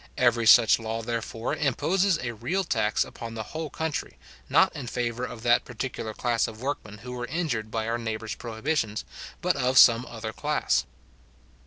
Every such law, therefore, imposes a real tax upon the whole country, not in favour of that particular class of workmen who were injured by our neighbours prohibitions, but of some other class.